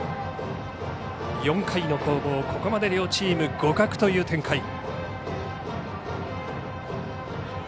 ４回の攻防、ここまで両チーム互角という展開。